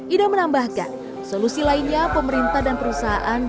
ida menambahkan solusi lainnya pemerintah dan perusahaan